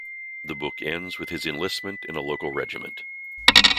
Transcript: The book ends with his enlistment in a local regiment.